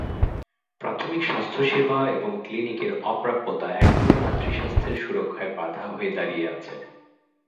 প্রাথমিক স্বাস্থ্যসেবা এবং ক্লিনিকের অপ্রাপ্যতা এখনো মাতৃস্বাস্থ্যের সুরক্ষায় বাধা হয়ে দাঁড়িয়ে আছে।